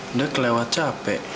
udah kelewat capek